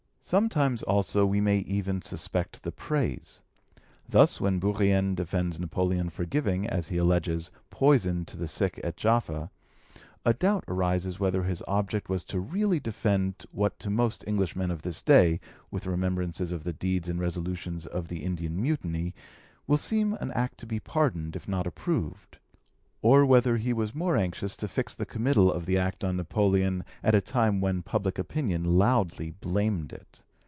Sometimes also we may even suspect the praise. Thus when Bourrienne defends Napoleon for giving, as he alleges, poison to the sick at Jaffa, a doubt arises whether his object was to really defend what to most Englishmen of this day, with remembrances of the deeds and resolutions of the Indian Mutiny, will seem an act to be pardoned, if not approved; or whether he was more anxious to fix the committal of the act on Napoleon at a time when public opinion loudly blamed it.